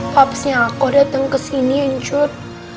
papsnya aku dateng kesini anjut